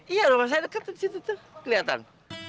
iya rumah saya dekat di situ tuh kelihatan